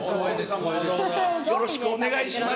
よろしくお願いします。